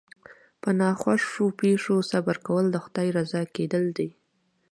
په ناخوښو پېښو صبر کول د خدای رضا کېدل دي.